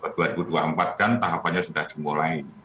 dan tahapannya sudah dimulai